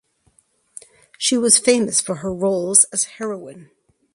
She was famous for her roles as heroine.